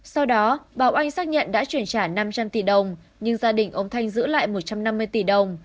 sau đó bảo oanh xác nhận đã chuyển trả năm trăm linh tỷ đồng nhưng gia đình ông thanh giữ lại một trăm năm mươi tỷ đồng